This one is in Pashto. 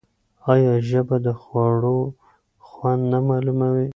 آیا ژبه د خوړو خوند نه معلوموي؟